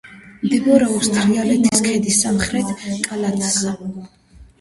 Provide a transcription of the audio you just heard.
მდებარეობს თრიალეთის ქედის სამხრეთ კალთაზე.